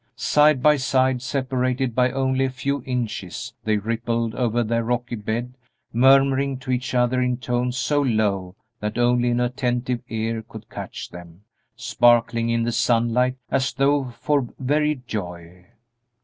Side by side, separated by only a few inches, they rippled over their rocky bed, murmuring to each other in tones so low that only an attentive ear could catch them, sparkling in the sunlight as though for very joy.